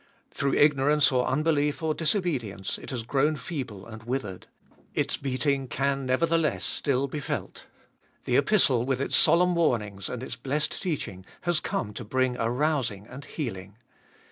Through ignorance or unbelief or disobedience it has grown feeble and withered ; its beating can, nevertheless, still be felt. The Epistle, with its solemn warnings and its blessed teaching, has come to bring arousing and healing.